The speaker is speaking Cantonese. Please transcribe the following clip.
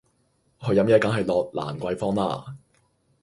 去飲嘢梗係落蘭桂芳啦